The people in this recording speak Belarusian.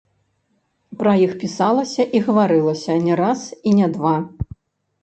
Пра іх пісалася і гаварылася не раз і не два.